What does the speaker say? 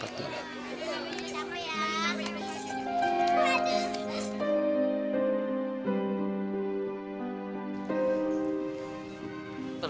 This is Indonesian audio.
kalau anda d yellow cross n va langsung minta karyawan ke padua depan